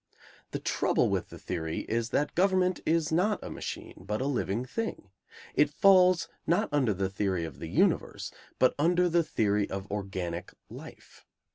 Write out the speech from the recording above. The trouble with the theory is that government is not a machine, but a living thing. It falls, not under the theory of the universe, but under the theory of organic life.